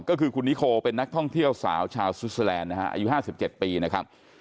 ก็คือคุณนิโคเป็นนักท่องเที่ยวสาวชาวสวิสเตอร์แลนด์นะฮะอายุ๕๗ปีนะครับ